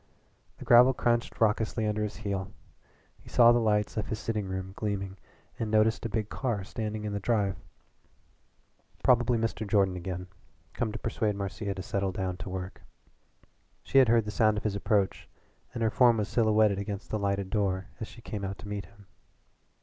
The gravel crunched raucously under his heel. He saw the lights of his sitting room gleaming and noticed a big car standing in the drive. Probably Mr. Jordan again, come to persuade Marcia to settle down' to work. She had heard the sound of his approach and her form was silhouetted against the lighted door as she came out to meet him.